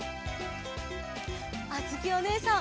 あづきおねえさん